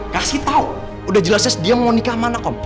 kasih tau udah jelasnya sedia mau nikah mana kom